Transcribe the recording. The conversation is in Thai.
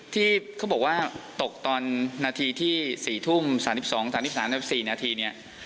ที่เขาบอกว่าตกตอนนาทีที่๔ทุ่ม๓๒๓๓๔นาทีเนี่ย